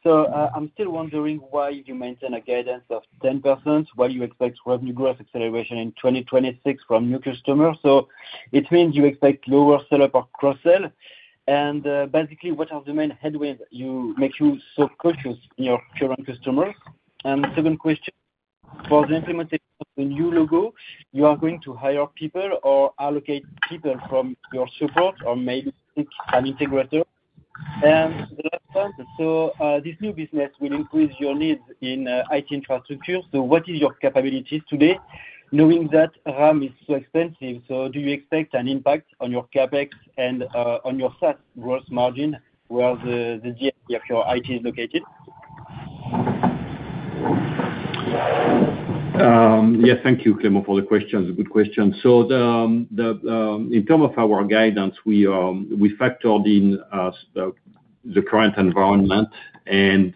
I'm still wondering why you maintain a guidance of 10%, why you expect revenue growth acceleration in 2026 from new customers. It means you expect lower sell-up or cross-sell. Basically, what are the main headwinds make you so cautious in your current customers? The second question, for the implementation of the new logo, you are going to hire people or allocate people from your support or maybe seek an integrator? The last one, this new business will increase your needs in IT infrastructure. What is your capabilities today, knowing that RAM is so expensive, do you expect an impact on your CapEx and on your SaaS gross margin, where your IT is located? Yeah, thank you, Clément, for the questions. Good question. The, the, in term of our guidance, we factored in, the current environment and,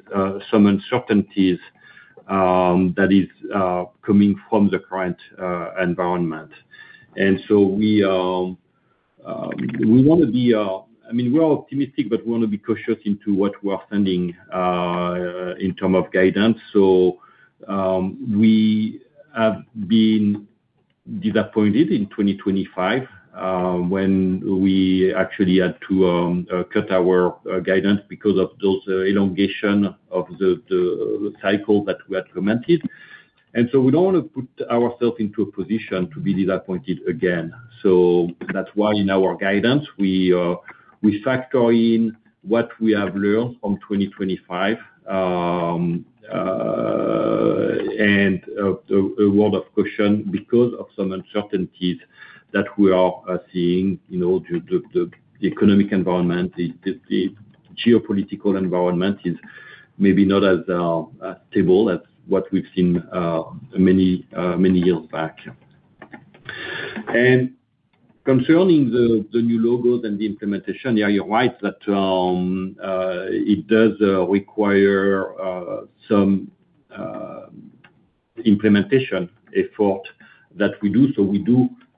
some uncertainties, that is, coming from the current, environment. We wanna be. I mean, we're optimistic, but we wanna be cautious into what we are sending, in term of guidance. We have been disappointed in 2025, when we actually had to, cut our, guidance because of those elongation of the, the cycle that we had commented. We don't want to put ourself into a position to be disappointed again. That's why in our guidance, we factor in what we have learned from 2025, and a word of caution because of some uncertainties that we are seeing, you know, due to the economic environment, the geopolitical environment is maybe not as stable as what we've seen many years back. Concerning the new logos and the implementation, yeah, you're right, that it does require some implementation effort that we do. We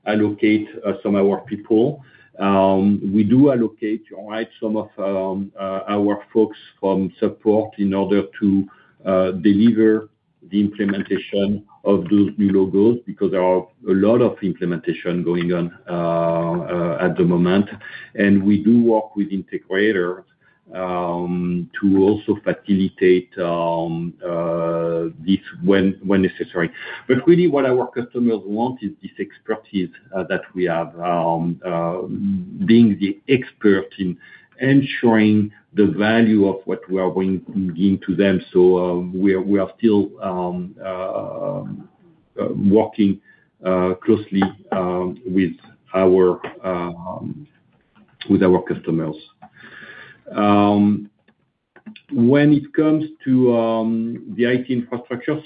do allocate some of our people. We do allocate, all right, some of our folks from support in order to deliver the implementation of those new logos, because there are a lot of implementation going on at the moment. We do work with integrator to also facilitate this when necessary. Really what our customers want is this expertise that we have being the expert in ensuring the value of what we are bringing in to them. We are still working closely with our customers. When it comes to the IT infrastructure,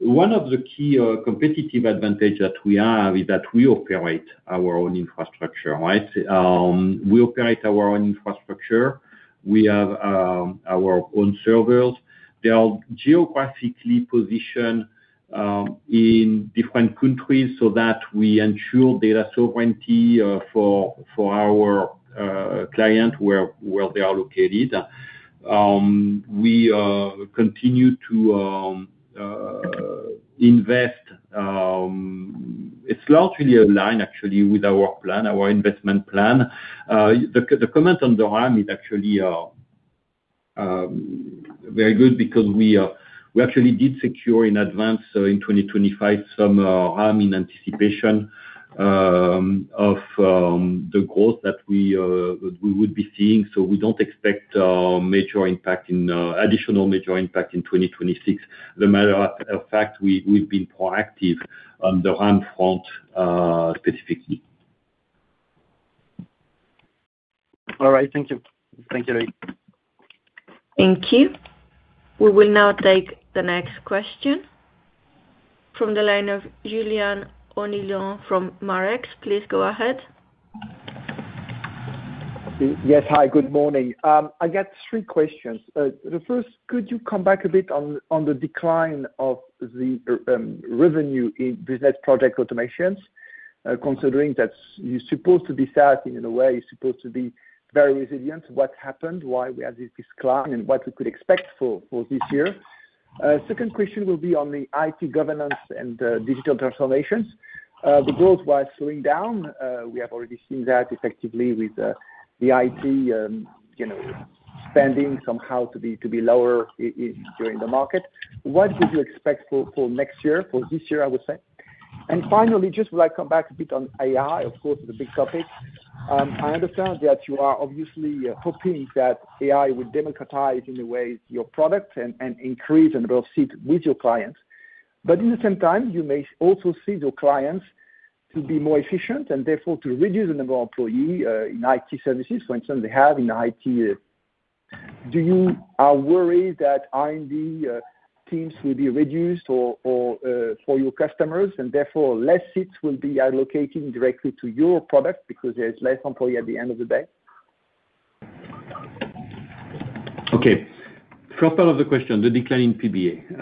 one of the key competitive advantage that we have is that we operate our own infrastructure, right? We operate our own infrastructure. We have our own servers. They are geographically positioned in different countries so that we ensure data sovereignty for our client, where they are located. We continue to invest, it's largely aligned actually with our plan, our investment plan. The comment on the RAM is actually very good because we actually did secure in advance, so in 2025, some RAM in anticipation of the growth that we would be seeing, so we don't expect major impact in additional major impact in 2026. As a matter of fact, we've been proactive on the RAM front specifically. All right. Thank you. Thank you, Loïc. Thank you. We will now take the next question from the line of Julien Onillon from Marex. Please go ahead. Yes, hi, good morning. I got three questions. The first, could you come back a bit on the decline of the revenue in business project automations? Considering that you're supposed to be starting in a way, you're supposed to be very resilient. What happened? Why we have this decline, and what we could expect for this year? Second question will be on the IT governance and digital transformations. The growth was slowing down. We have already seen that effectively with the IT, you know, spending somehow to be lower in during the market. What would you expect for next year, for this year, I would say? Finally, just would like come back a bit on AI, of course, the big topic. I understand that you are obviously hoping that AI will democratize in a way your product and increase and build seat with your clients. At the same time, you may also see your clients to be more efficient and therefore to reduce the number of employee in IT services, for instance, they have in IT. Are you worried that R&D teams will be reduced or for your customers, and therefore less seats will be allocating directly to your product because there's less employee at the end of the day? Okay. First part of the question, the decline in PBA.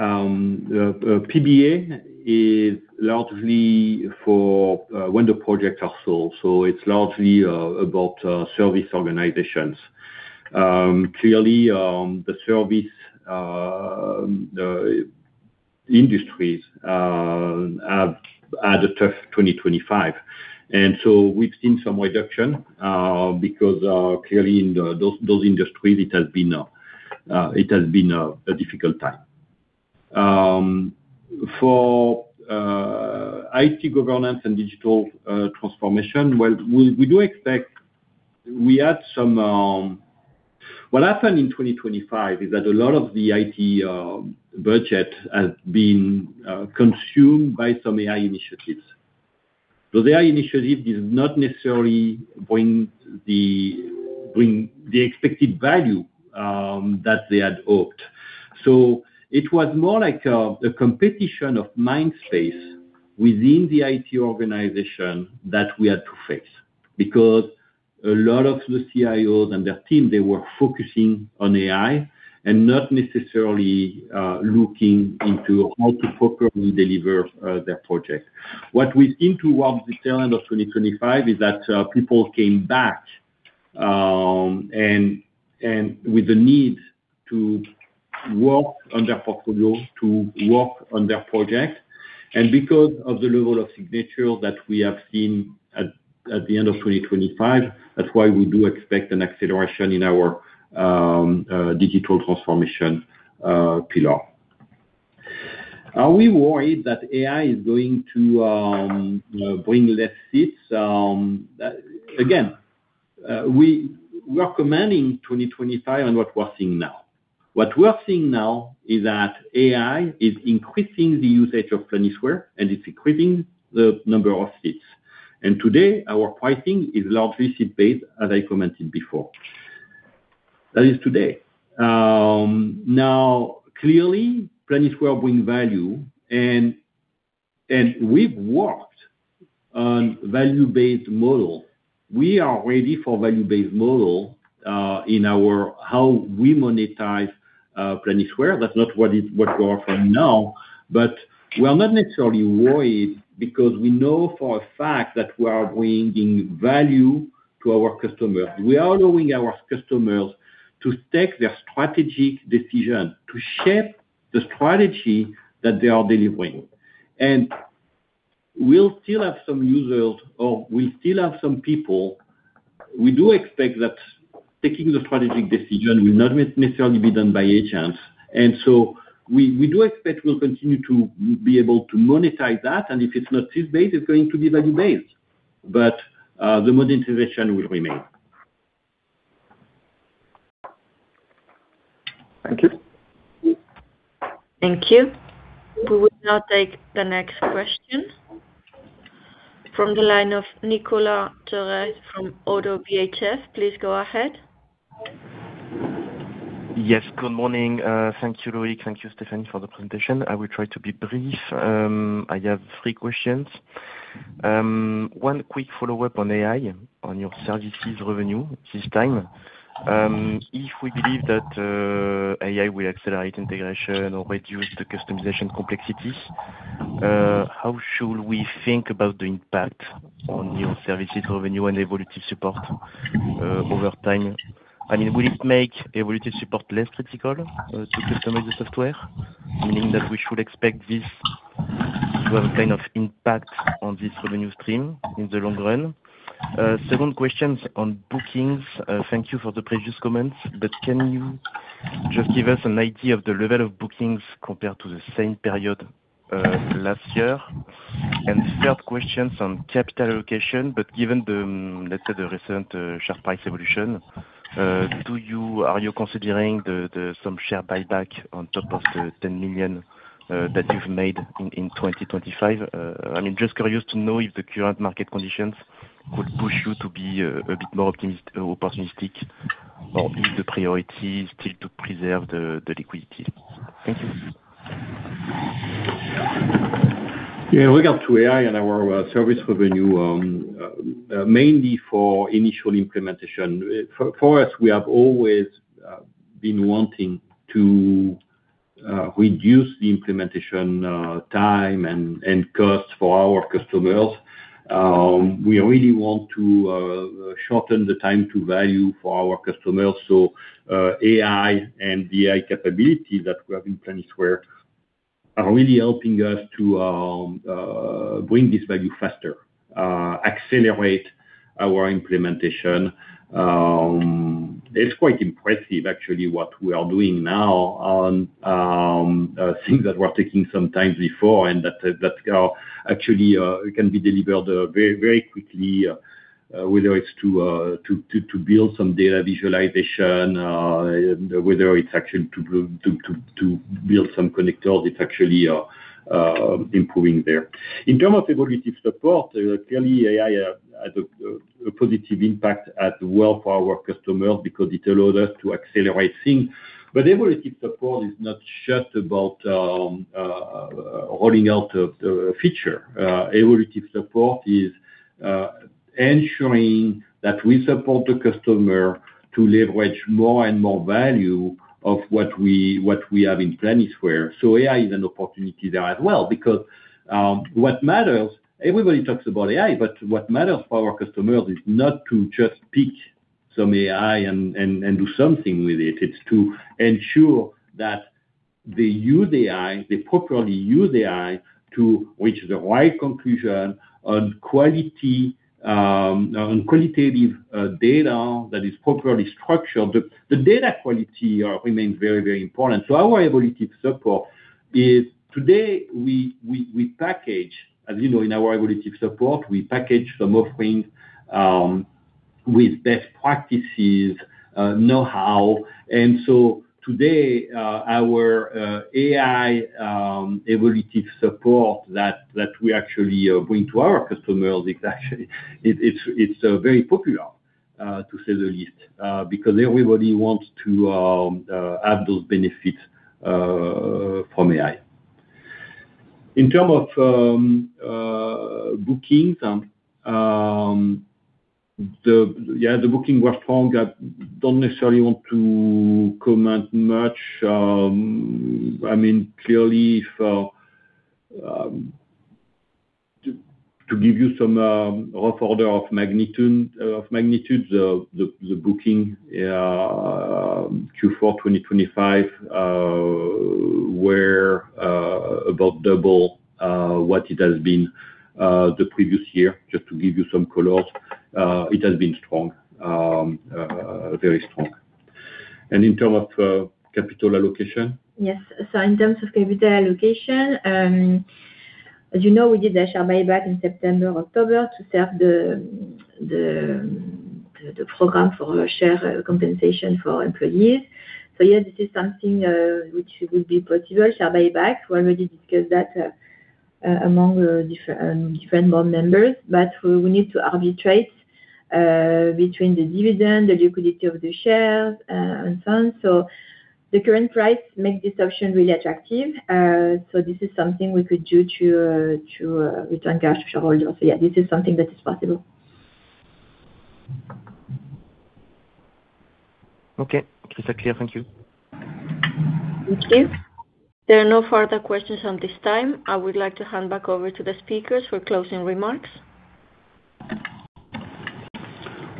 PBA is largely for when the project are sold, so it's largely about service organizations. Clearly, the service industries have had a tough 2025. We've seen some reduction because clearly in those industries, it has been a difficult time. For IT governance and digital transformation, well, we do expect we had some. What happened in 2025, is that a lot of the IT budget has been consumed by some AI initiatives. The AI initiative did not necessarily bring the expected value that they had hoped. It was more like a competition of mind space within the IT organization that we had to face. Because a lot of the CIOs and their team, they were focusing on AI and not necessarily looking into how to properly deliver their project. What we think towards the end of 2025 is that people came back, and with the need to work on their portfolio, to work on their project, and because of the level of signature that we have seen at the end of 2025, that's why we do expect an acceleration in our digital transformation pillar. Are we worried that AI is going to bring less seats? Again, we recommending 2025 and what we're seeing now. What we're seeing now is that AI is increasing the usage of Planisware, and it's increasing the number of seats. Today, our pricing is largely seat-based, as I commented before. That is today. Now, clearly, Planisware bring value, and we've worked on value-based model. We are ready for value-based model in our, how we monetize Planisware. That's not what is, what we offer now, but we are not necessarily worried because we know for a fact that we are bringing value to our customers. We are allowing our customers to take their strategic decision, to shape the strategy that they are delivering. We'll still have some users or we still have some people, we do expect that taking the strategic decision will not necessarily be done by agents. We, we do expect we'll continue to be able to monetize that, and if it's not seat-based, it's going to be value-based, but the monetization will remain. Thank you. Thank you. We will now take the next question from the line of Nicolas Thorez from ODDO BHF. Please go ahead. Yes, good morning. Thank you, Loïc. Thank you, Stéphanie, for the presentation. I will try to be brief. I have three questions. One quick follow-up on AI, on your services revenue this time. If we believe that AI will accelerate integration or reduce the customization complexities, how should we think about the impact on new services revenue and evolutive support over time? I mean, will it make evolutive support less critical to customize the software, meaning that we should expect this to have a kind of impact on this revenue stream in the long run? Second questions on bookings. Thank you for the previous comments, can you just give us an idea of the level of bookings compared to the same period last year? Third question, on capital allocation, given the, let's say, the recent sharp price evolution, are you considering the some share buyback on top of the 10 million that you've made in 2025? I mean, just curious to know if the current market conditions would push you to be a bit more optimist or opportunistic, or is the priority still to preserve the liquidity? Thank you. Yeah, with regard to AI and our service revenue, mainly for initial implementation. For us, we have always been wanting to reduce the implementation time and cost for our customers. We really want to shorten the time to value for our customers. AI and AI capability that we have in Planisware are really helping us to bring this value faster, accelerate our implementation. It's quite impressive actually, what we are doing now on things that were taking some time before, and that are actually can be delivered very, very quickly, whether it's to build some data visualization, whether it's actually to build some connectors, it's actually improving there. In terms of evolutive support, clearly AI has a positive impact as well for our customers because it allows us to accelerate things. Evolutive support is not just about rolling out the feature. Evolutive support is ensuring that we support the customer to leverage more and more value of what we have in Planisware. AI is an opportunity there as well, because what matters-- Everybody talks about AI, but what matters for our customers is not to just pick some AI and do something with it's to ensure that they use the AI, they properly use the AI to reach the right conclusion on quality, on qualitative data that is properly structured. The data quality remains very, very important. Our evolutive support is today, we package, as you know, in our evolutive support, we package some offerings with best practices, know-how. Today, our AI evolutive support that we actually bring to our customers is actually it's very popular, to say the least, because everybody wants to have those benefits from AI. In terms of bookings, the booking were strong. I don't necessarily want to comment much. I mean clearly for to give you some rough order of magnitude of magnitude, the booking Q4 2025 were about double what it has been the previous year, just to give you some colors. It has been strong, very strong. In terms of capital allocation? Yes. In terms of capital allocation, as you know, we did the share buyback in September, October, to set up the program for share compensation for employees. Yes, this is something which will be possible, share buyback. We already discussed that among the different board members, but we need to arbitrate between the dividend, the liquidity of the shares, and so on. The current price make this option really attractive. This is something we could do to return cash to shareholders. Yeah, this is something that is possible. Okay. It's clear. Thank you. Thank you. There are no further questions on this time. I would like to hand back over to the speakers for closing remarks.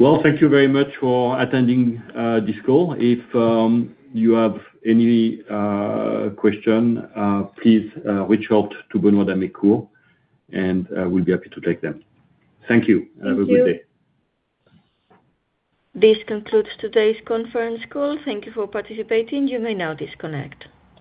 Well, thank you very much for attending, this call. If, you have any, question, please, reach out to Benoit d'Amécourt, and, we'll be happy to take them. Thank you. Thank you. Have a good day. This concludes today's conference call. Thank you for participating. You may now disconnect.